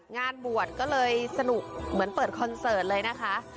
งานบวชขออภัยจะเสอนขนาดกวาดด้วยไปก่อนนะคะ